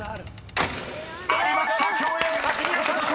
［ありました「競泳」８３個！］